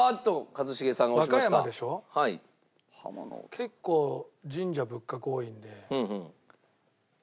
結構神社仏閣多いんで。